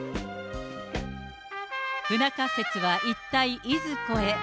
不仲説は一体いずこへ。